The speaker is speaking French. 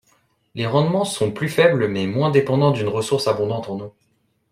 Les rendements sont plus faibles, mais moins dépendant d'une ressource abondante en eau.